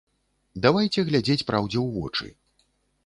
Давайце глядзець праўдзе ў вочы.